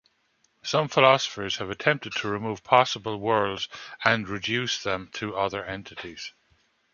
Some philosophers have attempted to remove possible worlds, and reduce them to other entities.